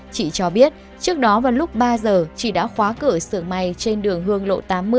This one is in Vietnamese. chị cho biết trước đó vào lúc ba giờ chị đã khóa cửa xưởng may trên đường hương lộ